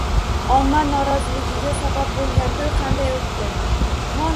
Omma noroziligiga sabab bo‘lgan to‘y qanday o‘tdi?